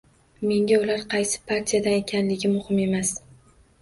Menga ular qaysi partiyadan ekanligi muhim emas!